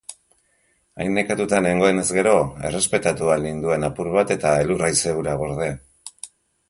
Hain nekatuta nengoenez gero errespetatu ahal ninduen apur bat eta elur-haize hura gorde.